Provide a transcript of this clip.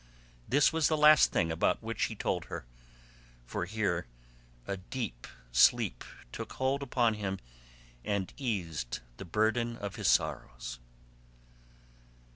This was the last thing about which he told her, for here a deep sleep took hold upon him and eased the burden of his sorrows.